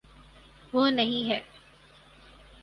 وہ نہیں ہے۔